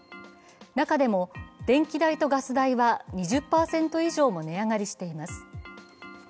中でも、電気代とガス代は２０％以上も値上がりしています。